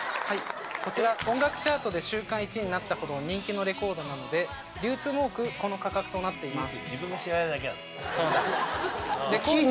音楽チャートで週間１位になった人気のレコードで流通も多くこの価格となっています。